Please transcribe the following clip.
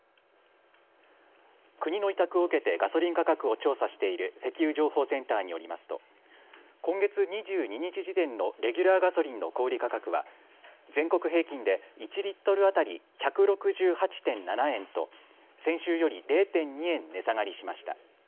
国の委託を受けてガソリン価格を調査している石油情報センターによりますと今月２２日時点のレギュラーガソリンの小売価格は全国平均で１リットル当たり１６８．７円と先週より０．２円値下がりしました。